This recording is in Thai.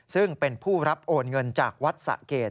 ซึ่งเป็นผู้รับโอนเงินจากวัดสะเกด